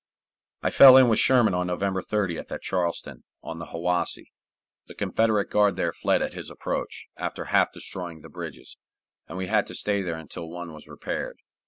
I fell in with Sherman on November 30th at Charleston, on the Hiwassee. The Confederate guard there fled at his approach, after half destroying the bridges, and we had to stay there until one was repaired.